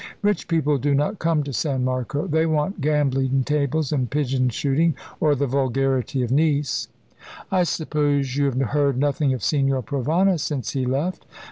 Rich people do not come to San Marco. They want gambling tables and pigeon shooting, or the vulgarity of Nice." "I suppose you have heard nothing of Signor Provana since he left?"